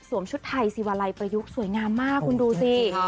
ชุดไทยสิวาลัยประยุกต์สวยงามมากคุณดูสิ